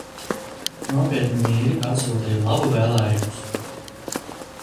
Nopietni vīri atsūtīja laba vēlējumus!